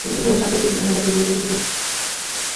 যদিও সাম্প্রতিক বছরগুলোতে কিছু সবুজ ও সাদা চা উৎপাদিত হয়েছে।